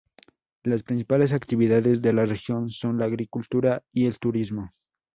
Las principales actividades de la región son la agricultura y el turismo.